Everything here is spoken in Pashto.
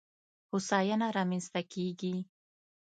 هوساینه رامنځته کېږي.